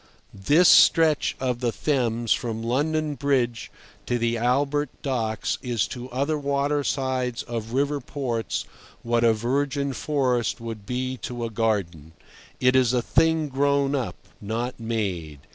This stretch of the Thames from London Bridge to the Albert Docks is to other watersides of river ports what a virgin forest would be to a garden. It is a thing grown up, not made.